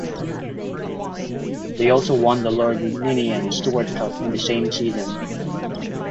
They also won the Lord Ninian Stuart Cup in the same season.